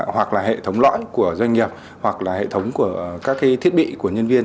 hoặc là hệ thống lõi của doanh nghiệp hoặc là hệ thống của các thiết bị của nhân viên